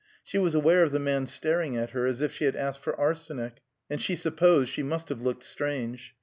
She was aware of the man staring at her, as if she had asked for arsenic; and she supposed she must have looked strange.